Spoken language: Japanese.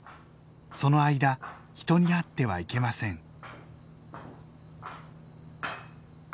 その間人に会ってはいけません。